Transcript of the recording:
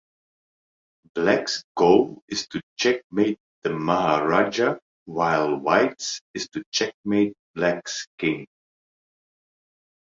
Black's goal is to checkmate the maharajah, while White's is to checkmate Black's king.